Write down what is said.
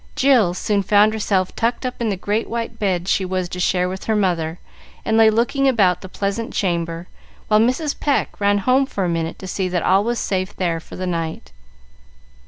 Jill soon found herself tucked up in the great white bed she was to share with her mother, and lay looking about the pleasant chamber, while Mrs. Pecq ran home for a minute to see that all was safe there for the night.